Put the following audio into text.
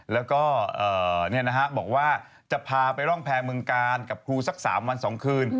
แล้วก็บอกว่าจะพาไปร่องแพรเมืองกาลกับครูสัก๓วัน๒คืน